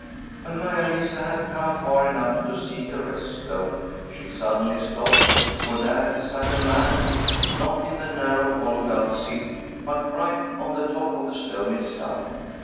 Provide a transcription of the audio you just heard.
When Maia Lisa had come far enough to see the Rest Stone she suddenly stopped, for there sat a man, not in the narrow hollowed out seat, but right on the top of the stone itself.